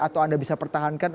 atau anda bisa pertahankan